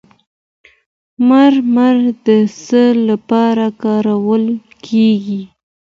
مرمر د څه لپاره کارول کیږي؟